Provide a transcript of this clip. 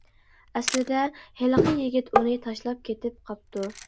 ئەسلىدە ھېلىقى يىگىت ئۇنى تاشلاپ كېتىپ قاپتۇ.